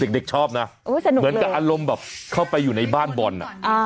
เด็กชอบนะเหมือนกับอารมณ์แบบเข้าไปอยู่ในบ้านบอล